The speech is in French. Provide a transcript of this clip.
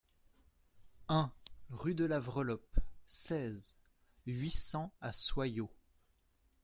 un rue de la Vreloppe, seize, huit cents à Soyaux